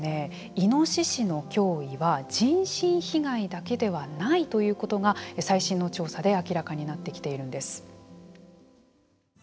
イノシシの脅威は人身被害だけではないということが最新の調査で明らかになってきているんです。